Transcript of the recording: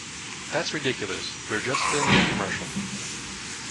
That's ridiculous, we're just filming a commercial.